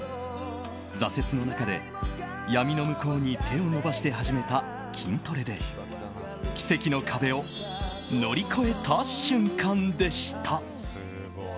挫折の中で闇の向こうに手を伸ばして始めた筋トレで奇跡の壁を乗り越えた瞬間でした。